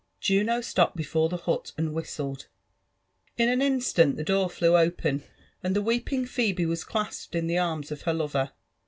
Juno stopped before the hut and whistled. In an instant the door flew open, and the weeping Phebe was clasped in the arms of her lover.